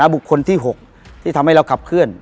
บุคคลที่๖ที่ทำให้เราขับเคลื่อน